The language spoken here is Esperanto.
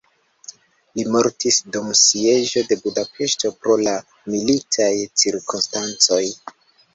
Li mortis dum sieĝo de Budapeŝto pro la militaj cirkonstancoj.